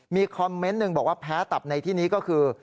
มีคอมเมนต์หนึ่งบอกว่าแพ้ตับในที่นี้ก็คือ